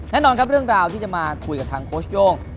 แน่นอนครับเรื่องราวที่จะมาคุยกับทางโค้ชโย่ง